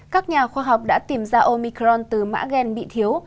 các nhà khoa học đã tìm ra omicron từ mã gen bị thiếu